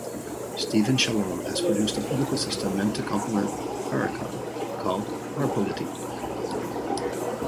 Stephen Shalom has produced a political system meant to complement parecon, called parpolity.